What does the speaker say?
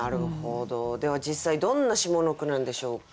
では実際どんな下の句なんでしょうか？